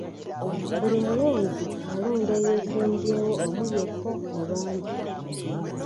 Buli mulonzi alonda eyeesimbyewo omu yekka mu bangi.